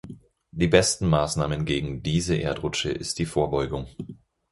Die beste Maßnahme gegen diese Erdrutsche ist die Vorbeugung.